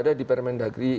sudah ada di permendagri